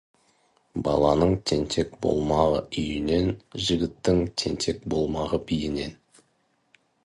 Баланың тентек болмағы үйінен, жігіттің тентек болмағы биінен.